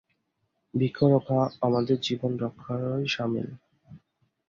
বৃক্ষ রক্ষা আমাদের জীবন রক্ষারই সামিল।